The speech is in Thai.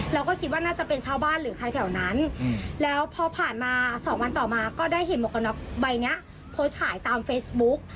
แล้วก็คิดว่าน่าจะเป็นชาวบ้านหรือใครแถวนั้นแล้วพอผ่านมาสองวันต่อมาก็ได้เห็นหมวกกระน็อกใบเนี้ยโพสต์ขายตามเฟซบุ๊ก